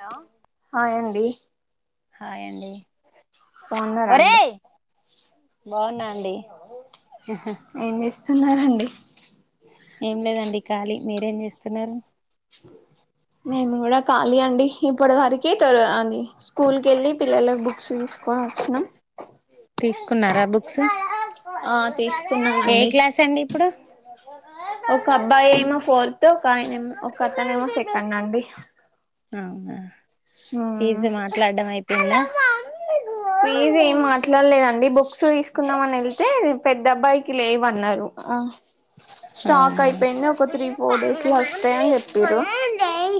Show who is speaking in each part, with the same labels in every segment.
Speaker 1: Hello
Speaker 2: hi అండి
Speaker 1: hi అండి
Speaker 2: బాగున్నారా అండి
Speaker 1: ఒరేయ్ బాగున్నా అండి హ
Speaker 2: ఏం చేస్తున్నారండి
Speaker 1: ఏం లేదండి ఖాలీ మీరేం చేస్తున్నారు
Speaker 2: నేను గూడా ఖాళీ అండి ఇప్పటి వరక తరు అది స్కూల్కి ఎళ్ళి పిల్లలకు బుక్స్ తీసుకొని వచ్చినాం
Speaker 1: తీసుకున్నారా బుక్స్
Speaker 2: ఆ తీసుకున్నాం
Speaker 1: ఏ
Speaker 2: అండి
Speaker 1: క్లాస్ అండి ఇప్పుడు
Speaker 2: ఒక అబ్బాయి ఏమో ఫోర్త్ ఒక యాన ఏమో ఒక అత్తనే ఏమో సెకండ్ అండి
Speaker 1: అవునా ఫీజు మాట్లాడడం అయిపోయిందా
Speaker 2: ప్లీజ్ ఏం మాట్లాడలేదండి బుక్స్ తీసుకుందాం అని ఎళ్తే పెద్ద అబ్బాయికి లేవన్నారు అ స్టాక్
Speaker 1: అవునా
Speaker 2: అయిపోయింది ఒక త్రీ ఫోర్ డేస్లో వస్తాయిని చెప్పిరు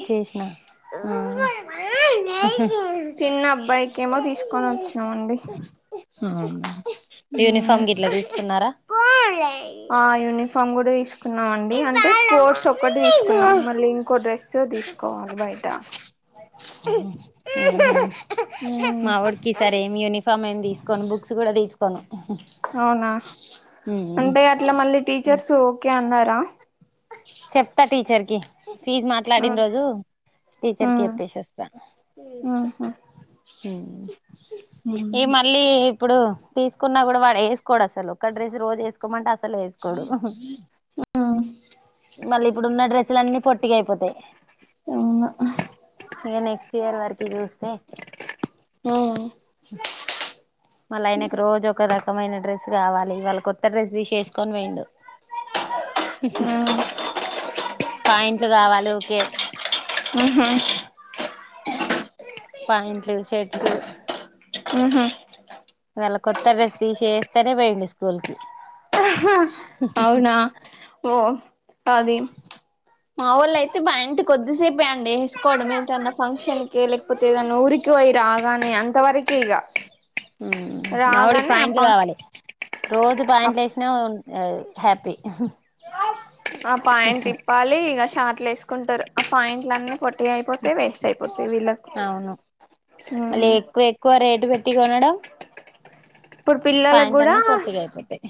Speaker 1: చేసినా అ హ
Speaker 2: చిన్న అబ్బాయికిమో తీసుకొని వచ్చినామండి
Speaker 1: యూనిఫార్మ్ గిట్లా తీస్తున్నారా
Speaker 2: ఆ యునిఫార్మ్ గూడా తీస్ తీసుకున్నాం అండి అంటే స్పోర్ట్స్ ఒక్కటి తీసుకున్నాం మళ్ళీ ఇంకో డ్రెస్ తీసుకోవాలి బయట
Speaker 1: మా వోడికిస ఏ యూనిఫామ్ ఏమి తీసుకోను బుక్స్ గూడా తీసుకో తను
Speaker 2: అవునా అంటే అట్లా మళ్ళీ టీచర్స్ ఓకే అన్నారా
Speaker 1: చెప్తా టీచర్ కి ఫీజ్ మాట్లాడిన రోజు టీచర్ కి చెప్పేసి ఒస్తా ఏ మని మళ్లి ఇప్పుడు తీసుకున్నా గూడా వాడు వేసుకోడు అసలు ఒక్కడ్రస్ రోజు ఎసుకో ఎసుక్కో మంటే అసలు ఎసుకోడు మళ్ళీ ఇప్పుడున్న డ్రెస్సులు అన్నీ పొట్టి అయిపోతాయి
Speaker 2: అవునా
Speaker 1: ఇగా నెక్స్ట్ ఇయర్ వరకి చూస్తే హ మళ్ళీ ఆయనకి రోజు ఒక రకమైన డ్రెస్ గావాలి వాళ్ళ కొత్త డ్రెస్ తీసేసుకొని పోయిండు
Speaker 2: ఎ లచ్చమ్మా
Speaker 1: పాఇంట్లు గావాలి ఉకే
Speaker 2: ఉహ
Speaker 1: పాంట్లు షర్ట్స్
Speaker 2: ఉహు
Speaker 1: ఇవళ్ళ కొత్త డ్రెస్ తీసేస్తానే పోయిండు స్కూల్ కి
Speaker 2: అవునా ఓ అది మా వాళ్ళ అయితే మా వొళ్ళు ఐతే కొద్దిసేపేండి వేసుకోవడం ఏంటన్నా ఫంక్షన్ కి లేక్ పోతేదానా ఊరికి పోయి రాగానే అంతవరకు ఇక
Speaker 1: ఊ మావోడికి పాయింట్లు కావాలి రోజు
Speaker 2: అప్
Speaker 1: పాయింట్లు వేసి నోన్ ఆ హ్యాపీ
Speaker 2: ఆ పాయింట్ ఇప్పాలి ఇక షార్ట్లు వేసుకుంటారు ఆ పాయింట్లన్ని పోటీ అయిపోతయ్ వేస్ట్ అయిపోతయ్ వీళ్ళకు
Speaker 1: అవును
Speaker 2: ఊ
Speaker 1: మళ్ళీ ఎక్కువ ఎక్కువ రేటు పెట్టి కొనడం
Speaker 2: ఇప్పుడు పిల్లలకు
Speaker 1: పాయింట్ల
Speaker 2: కూడా
Speaker 1: అన్ని పొట్టిగా అయిపోతాయి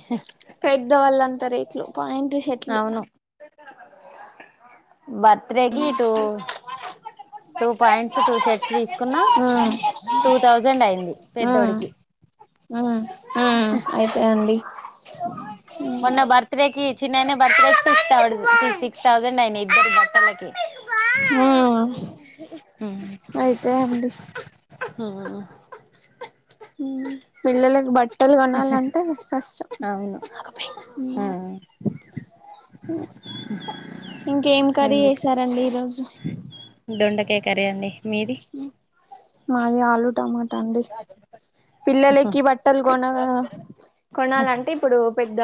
Speaker 2: పెద్ద వాళ్ళంతా రేట్లు పాయింట్ షెట్లు
Speaker 1: అవును బర్త్డే గీటు టూ పాయింట్స్ టూ షర్ట్స్ తీసుకున్న
Speaker 2: మ్మ్
Speaker 1: టూ థౌజండ్ అయింది పెద్దోడికి
Speaker 2: ఆ ఆ అయితయ్ అండి ఆ
Speaker 1: బర్త్ డే కి చిన్నయినా బర్తేకి సి సిక్స్ థౌసండ్ అయిన ఇద్దరు బట్టలకి
Speaker 2: ఆ అయితయ్ అండి
Speaker 1: ఊ
Speaker 2: ఊ పిల్లలకు బట్టలు కొనాలంటే కష్టం
Speaker 1: అవును ఆ ఆ
Speaker 2: ఇంకేం కర్రీ చేసారండి ఈ రోజు
Speaker 1: దొండకాయ కరీ అండి మీది
Speaker 2: మాది ఆలు టమాటా అండి పిల్లలకి బట్టలు కొనా కొనాలంటే ఇప్పుడు పెద్ద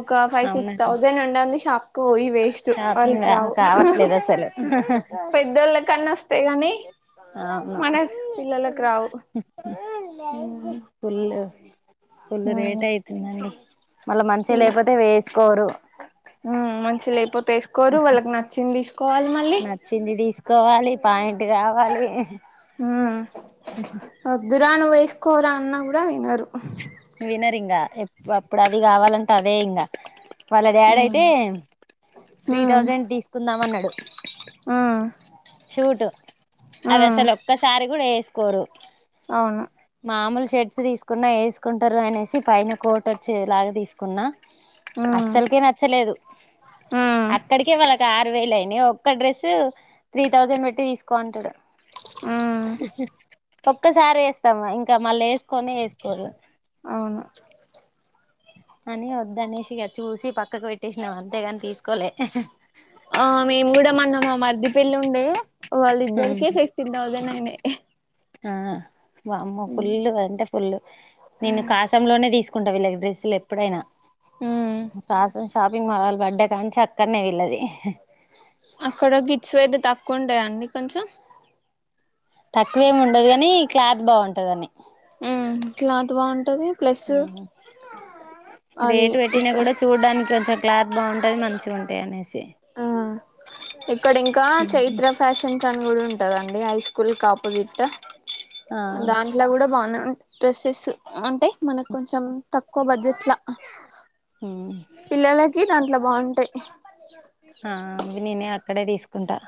Speaker 2: ఒక ఫైవ్ సిక్స్
Speaker 1: అవునండి
Speaker 2: థౌజండ్ ఉండంది షాప్ కోయి వేస్ట్
Speaker 1: షాపింగ్
Speaker 2: వాళ్ళకి రావు
Speaker 1: కావట్లేదు అసలు
Speaker 2: పెద్దోళ్ళ కన్నా వస్తాయి గాని
Speaker 1: అవును
Speaker 2: మనకు పిల్లలకు రావు ఉమ్
Speaker 1: ఫుల్ ఫుల్ రేట్ అయితుందండి మళ్ళా మంచిగా లేకపోతే వేసుకోరు
Speaker 2: ఊ మంచి లేకపోతే వేసుకోరు వాళ్ళకి నచ్చింది తీసుకోవాలి మళ్ళీ
Speaker 1: చింది తీసుకోవాలి పాయింట్ కావాలి
Speaker 2: ఉమ్ వద్దురా నువ్ వేసుకోవురా అన్న కూడా వినరు
Speaker 1: వినర్ ఇంకా ఎప్ అప్పుడు అది కావాలంటే అదే ఇంకా వాళ్ళ డాడి అయితే
Speaker 2: ఉమ్
Speaker 1: త్రీ థౌజండ్ తీసుకుందాం అన్నాడు
Speaker 2: ఆ
Speaker 1: షూట్ అది అసలు ఒక్కసారి కూడా వేసుకోరు
Speaker 2: అవును
Speaker 1: మామూలు షెడ్స్ తీసుకున్నా వేసుకుంటారు అనేసి పైన కోట్ వచ్చేలాగా తీసుకున్నా
Speaker 2: ఉమ్
Speaker 1: అస్సలుకే నచ్చలేదు
Speaker 2: ఉమ్
Speaker 1: అక్కడికే వాళ్ళ కా రు వేలయినయ్ ఒక్క డ్రెస్ త్రీ థౌజండ్ పెట్టి తీసుకో అంటడు
Speaker 2: ఉమ్
Speaker 1: ఒక్కసారి వేస్తాము ఇంకా మళ్ళా వేసుకొని వేసుకోరు
Speaker 2: అవును
Speaker 1: అని వద్దనేసిగా ఇగ చూసి పక్కకు పెట్టేసినాం అంతేగాని తీసుకోలే
Speaker 2: ఆ మేము కూడా మన్న మా మరిది పెళ్లి ఉండే వాళ్ళిద్దరిక ఫిఫ్టీన్ థౌసండ్ ఐనయ్
Speaker 1: ఆ వామ్మో ఫుల్ అంటే ఫుల్ నేను కాసం లోనే తీసు. కుంటా వీళ్ళకు డ్రస్సులేప్పుడైనా కాసం. షాపింగ్ మాలల్ పడ్డ కాంచి అక్కనే వీళ్ళది.
Speaker 2: అక్కడ గిట్చ్స్ వేడ్ తక్కువ ఉంటాయండి కొంచం.
Speaker 1: తక్కువేమ్ ఉండదు గని క్లాత్ బాగుంటందని.
Speaker 2: ఉమ్ క్లాత్ బాగుంటది ప్లసూ అది
Speaker 1: రేటు పెట్టినా
Speaker 2: ఇక్క.
Speaker 1: కూడా చూడ్డానికి కొంచం క్లాత్ బాగుంటుంది మంచిగుంటయ్ అనేసి.
Speaker 2: ఆ ఇక్కడ ఇంకా
Speaker 1: ఉహు
Speaker 2: చైత్రం. ఫ్యాషన్స్న్ కంగ ఉంటందండి హై స్కూల్ కా పోజిట్దా
Speaker 1: ఆ
Speaker 2: దానికి. ఇలా కూడా బాగనే డ్రెస్సెస్ అంటే మనకు కొంచం త క్కో బజేట్ల. పిల్లలకి దాంట్లో బాగుంటయ్.
Speaker 1: ఆ అవి నేనే అక్కడే తీసుకుంటా.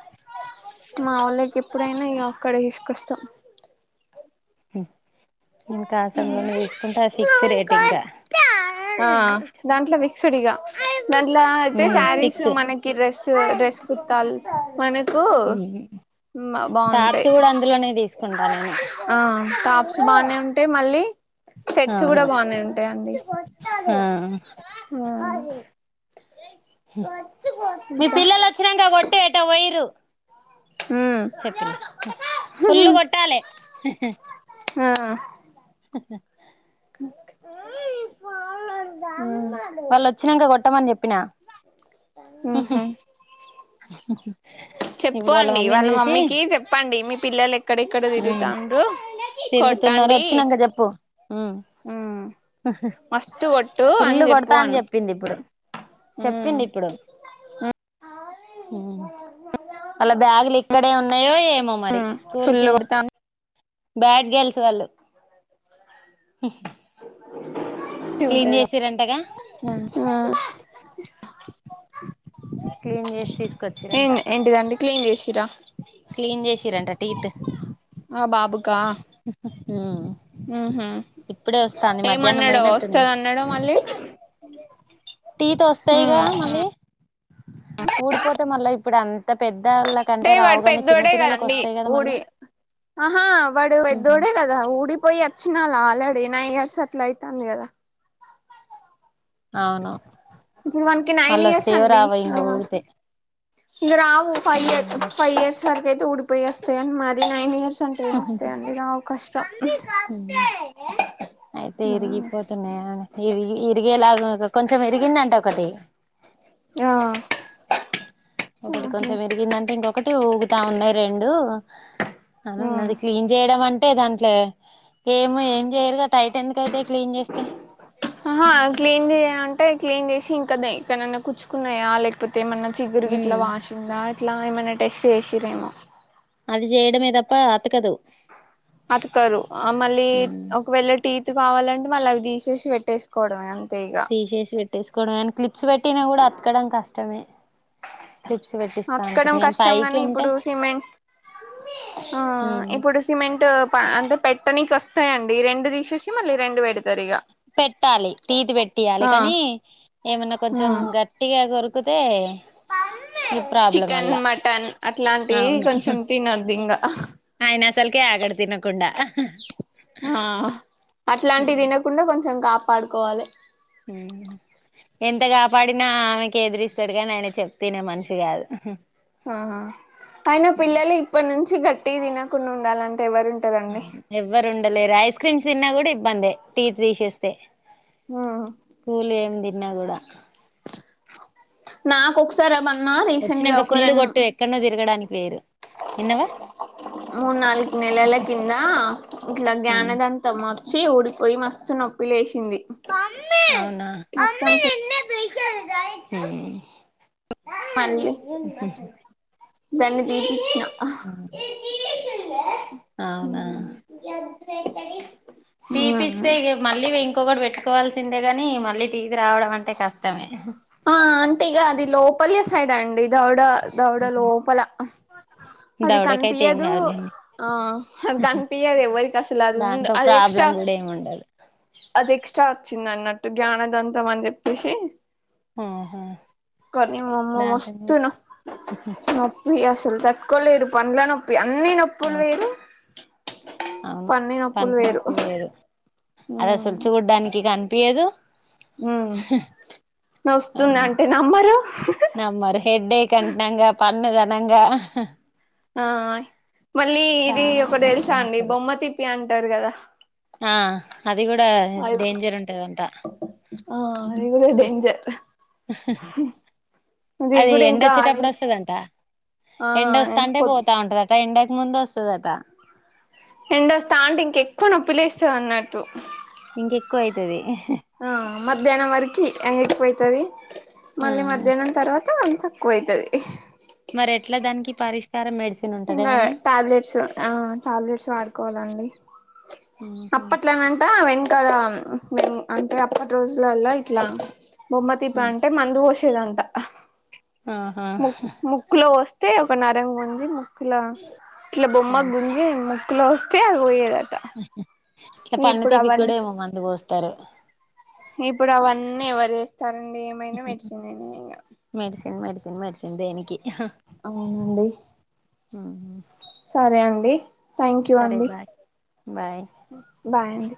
Speaker 2: మా వోళ్ళకేప్పుడైనా ఇగ అక్కడ తీసుకొస్తాం.
Speaker 1: నేను కాసం లనే తీసుకుంటా ఫిక్స్ రేటింగ్గా.
Speaker 2: ఆ దాంట్ల విక్సుడిగా. దట్ల అయితే
Speaker 1: ఉమ్
Speaker 2: శారీస్
Speaker 1: ఫిక్స్
Speaker 2: మనకి డ్రెస్సు డ్రెస్ కుర్తల్.
Speaker 1: ఉహు.
Speaker 2: బాగుంటాయి
Speaker 1: టాప్స్ గూడా అందులోనే దిసుకుంటా నేను.
Speaker 2: అంటే మళ్ళీ సెట్స్ గూడా
Speaker 1: అవును
Speaker 2: బాగనే ఉంటాయిండి.
Speaker 1: ఆ
Speaker 2: ఉమ్.
Speaker 1: మీ
Speaker 2: ఇంకా
Speaker 1: పిల్లలు అచ్చినక్క కొట్టు ఏటో వేయిర్రు.
Speaker 2: ఉమ్.
Speaker 1: చెప్పిన ఫుల్లు కొట్టాలే.
Speaker 2: ఆ. అ.
Speaker 1: వాళ్ళు లోచ్చినాక్క కొట్టమని జేప్పినా.
Speaker 2: ఉహు. చెప్పో
Speaker 1: ఇప్పుడు
Speaker 2: అండి వాళ్ళ
Speaker 1: మమ్మీని చూసి
Speaker 2: మమ్మీకి చెప్పండి మీ పిల్లలు ఎక్కడెక్కడో
Speaker 1: ఉమ్
Speaker 2: తిరుగుతండ్రు. కొట్టాడి.
Speaker 1: జేప్పు హు
Speaker 2: మస్తు కొట్టు అని
Speaker 1: ఫుల్లు
Speaker 2: చెప్పు
Speaker 1: గోడతా అని
Speaker 2: అను
Speaker 1: జేప్. చెప్పిందిప్పుడు
Speaker 2: ఉమ్
Speaker 1: చెప్పిందిప్పుడు.
Speaker 2: ఉ
Speaker 1: అల్లా బ్యాగులు ఇక్కడే ఉన్నాయో ఏమో మరి. స్కూల్ కి
Speaker 2: ఫుల్లు కొడుతాన్.
Speaker 1: బ్యాడ్ గెలిసు వాళ్ళు.
Speaker 2: ఉట్టి
Speaker 1: క్లీన్
Speaker 2: ఉంటది ఇగ
Speaker 1: చేసిరంటగా
Speaker 2: ఉమ్.
Speaker 1: క్లీన్ చేసి
Speaker 2: ఏ
Speaker 1: తీసుకొచ్చిరంట
Speaker 2: ఎంటి దండీ క్లీన్ జీషింర్రా.
Speaker 1: క్లీన్ జీషింరంట టీతూ.
Speaker 2: ఆ బాబుకా.
Speaker 1: హు హు ఊ.
Speaker 2: ఉహు ఏమన్నాడో
Speaker 1: పోయినట్టుంది
Speaker 2: ఓస్తదన్నాదో మళ్ళీ.
Speaker 1: టీత్ ఓస్తాయిగా మళ్ళీ ఊడిపోతే మళ్ళీ ఇప్పుడు అంత పెద్దళ్ళ.
Speaker 2: అంటే
Speaker 1: కంటే
Speaker 2: వాడు
Speaker 1: రావుగాని
Speaker 2: పెద్దోడే
Speaker 1: చిన్నపిల్లలకు
Speaker 2: కదండి
Speaker 1: వస్తాయి కదా మళ్ళా
Speaker 2: ఊడి. అహా వాడు పెద్దోడె దా ఊడిపోయ్యె చ్చినల్ల ఆల్రెడీ నైన్ ఇయర్స్ అట్ల అయితాంది గదా
Speaker 1: అవును
Speaker 2: ఇప్పుడు వానికి నైన్
Speaker 1: మళ్ళ
Speaker 2: ఇయర్స్
Speaker 1: వస్తాయో
Speaker 2: అండి
Speaker 1: రావో ఇంగ
Speaker 2: ఆహ
Speaker 1: ఊడితే
Speaker 2: ఇంగ రావు ఫై ఇయ్యర్ ఫైవ్ ఇయర్స్ వరకైతే ఊడిపోయ్యెస్తయని మరి నైన్ ఇయర్స్ అంటే
Speaker 1: ఉహు హు
Speaker 2: ఏమొస్తాయండి రావు కష్టం
Speaker 1: హూ ఐతే ఇరిగిపో తున్నాయా అన్య ఇరిగి ఇరిగేలాగా కొంచెం ఇరిగిందంట ఒకటి
Speaker 2: ఆ
Speaker 1: ఒగటి
Speaker 2: ఆహా
Speaker 1: కొంచెం ఎరిగిందంటే ఇంగొకటి ఊగుతా ఉన్నాయచ రెండు అన్నది క్లీన్ జేయడం అంటే దాంట్లో ఏమి ఏం జెయ్యరు గా టైటెందుకైతాయ్ క్లీన్ జేస్తెను
Speaker 2: ఆహ క్లీన్ జెయ్యంమంటే క్లీన్ జేసి ఇంకా దై ఎక్కనన్న కచ్చుకున్నాయా లేక్ పోతే ఏమన్నా చిగురు గిట్లా
Speaker 1: ఉమ్
Speaker 2: వాషిందా ఇట్లా ఏమైన్నా టెస్టు జేసిర్రేమో
Speaker 1: అది జేయడమే దప్పా అతకదు
Speaker 2: అతుక్రోరు ఆ మళ్ళీ
Speaker 1: ఉమ్
Speaker 2: ఒకవేళ టీత్ కావాలంటే మళ్ళీ అవి దీషేసి వెట్టేస్కోవడమే అంతే ఇగ
Speaker 1: తీషేసి వెట్టేస్కోవడమె అనీ క్లిప్స్ వెట్టినా గూడా అతకడం కష్టమే క్లిప్స్ వెట్టి
Speaker 2: అత్కడం కష్టం గానీ ఇప్పుడు సిమెం ఆ
Speaker 1: ఉమ్
Speaker 2: ఇప్పుడు సిమెంటు ప ఆంటే పెట్టనీకి వస్తయండి రెండు దీషేసి మళ్ళీ రెండు వెడుతారు ఇగ
Speaker 1: పెట్టాలి టీతు వెట్టియాలె
Speaker 2: ఆ
Speaker 1: కానీ ఏమన్నా కొంచెం గ ట్టిగా గొరుకుతే
Speaker 2: చికెన్ మటన్ అట్లాంటివి
Speaker 1: అవును
Speaker 2: కొంచెం తినొద్దింగ
Speaker 1: ఆయన అస్సల్కే ఆగడు తినకుండా
Speaker 2: ఆ అట్లాంటివి తినకుండా కొంచెం కాపాడుకోవాలె
Speaker 1: ఊ ఎంత గాపాడినా నాకే ఎదురిస్తాడుగాని ఆయన చెప్తే ఇనే మన్షి గాదు
Speaker 2: ఆహా ఐనా పిల్లలు ఇప్పన్నుంచి గట్టివి దినకుండా ఉండాలంటే ఎవరుం
Speaker 1: అవున్ ఎవ్వరుండలేరు ఐస్ క్రీమ్స్ దిన్నా గూడ ఇబ్బందే టీత్ దీసేస్తే
Speaker 2: ఆ
Speaker 1: కూలేమ్ దిన్నా గూడా
Speaker 2: నాకొసార మన్నా రీసెంట్ గా
Speaker 1: వచ్చినాక
Speaker 2: ఒక
Speaker 1: ఫుల్
Speaker 2: రెండు
Speaker 1: కొట్టు ఎక్కడనో తిరగడానికి వేరు విన్నవా
Speaker 2: మూన్ నాల్గు నెలల కింద ఇట్లా జ్ఞాన దం తం మచ్చి ఊడిపొయ్యి మస్తు నొప్పి లే షింది
Speaker 1: అవునా ఊ
Speaker 2: పళ్ళీ దాన్ని తీపిచ్చ్నా
Speaker 1: ఏ ఇన్న స అవునా తీపిస్తే
Speaker 2: ఉహు
Speaker 1: ఇగ మళ్ళీ వె ఇంకొగటి వె ట్టుకోవాల్సిందే గాని మళ్ళీ టీజ్డ్ రావడం అంటే కష్టమే
Speaker 2: ఆ అంటే ఇగ అది లోపలి సైడండి దౌడ దౌడ లోపల అది
Speaker 1: దవడకైతే
Speaker 2: కన్పియ్య
Speaker 1: ఏం
Speaker 2: దు
Speaker 1: కాదులేండి
Speaker 2: ఆ గన్పియ్యద్ ఎవ్వరికి అసలు అది ఉందు అది ఎక్స్ట్రా
Speaker 1: తాడు
Speaker 2: అది ఎక్స్ట్రా వొచ్చింది అన్నట్టు జ్ఞాన దంతం అన్ జెప్పేసి
Speaker 1: ఆహా
Speaker 2: కానీ వోమ్మో
Speaker 1: దాంతో
Speaker 2: మస్తు నొ నొప్పి అస్సల్ దట్ కోలేరు పండ్ల నొప్పి అన్నీ నొప్ ప్పుల్ వేరు పన్ని నొప్పుల్ వేరు
Speaker 1: అదస్సల్ చూడ్డానికి గన్పియ్యదు
Speaker 2: ఉ వస్తుంది అంటే నమ్మరు హ్ హ్
Speaker 1: మరి హెడేక్ కంటంగా పన్నుఘనంగా
Speaker 2: ఆ మళ్ళీ ఇది
Speaker 1: చాలా
Speaker 2: ఒకటి తెలుసా
Speaker 1: కష్టం
Speaker 2: అండి
Speaker 1: అసలు
Speaker 2: బొమ్మ తిప్పి అంటారు కదా
Speaker 1: ఆ అది కూడా
Speaker 2: అది
Speaker 1: డేంజర్ ఉంటదంట
Speaker 2: ఆ అది కూడా డేంజర్
Speaker 1: హ హ అది
Speaker 2: కూడా
Speaker 1: ఎండ
Speaker 2: ఇంకా అది
Speaker 1: వచ్చేటప్పుడు వస్తదంట
Speaker 2: ఆ
Speaker 1: ఎండ వస్తాంటే
Speaker 2: పొద్
Speaker 1: పోతా ఉంటది ఎండకు ముందు వస్తదట
Speaker 2: ఎండ వస్తాంటే ఇంకెక్కువ నొప్పిలేస్తది అన్నట్టు
Speaker 1: ఇంకెక్కువ అయితది
Speaker 2: ఆ మధ్యాహ్నం వరకి ఎండ ఎక్కువైతది
Speaker 1: ఆ
Speaker 2: మళ్ళీ మధ్యాహ్నం తర్వాత అ తక్కువయితది
Speaker 1: మరి ఎట్లా దానికి పరిష్కారం మెడి
Speaker 2: ఇంకా టాబ్లెట్స్ ఆ టాబ్లెట్స్ వాడుకోవాలండి
Speaker 1: ఉహు
Speaker 2: ఇంట్లోనంట వెనకాల వె అంటే అప్పటి రోజులల ఇట్లా బొమ్మ దీప అంటే మందు పోషేదంట
Speaker 1: ఆహా
Speaker 2: ముక్ ముక్కులో వస్తే ఒక నరం గుంజి ముక్కులా ఇట్లా బొమ్మకు
Speaker 1: వామ్మో
Speaker 2: గుంజి ముక్కుల వస్తే అది పోయేదట
Speaker 1: పన్ను
Speaker 2: ఇప్పుడు
Speaker 1: తీపి
Speaker 2: అవన్నీ
Speaker 1: కూడా మందు పోసి తరు
Speaker 2: ఇప్పుడు అవన్నీ ఎవరు చేస్తారండి ఏమైనా మెడిసినే ఇంక
Speaker 1: మెడిసిన్ మెడిసిన్ మెడిసిన్ దేనికి
Speaker 2: అవునండి
Speaker 1: ఆ
Speaker 2: సరే అండి థ్యాంక్ యూ
Speaker 1: సరే
Speaker 2: అండి
Speaker 1: బాయ్ బాయ్
Speaker 2: బాయ్ అండి